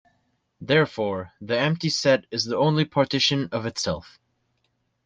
Therefore, the empty set is the only partition of itself.